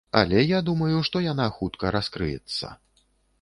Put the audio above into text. Але я думаю, што яна хутка раскрыецца.